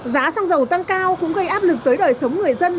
giá xăng dầu tăng cao cũng gây áp lực tới đời sống người dân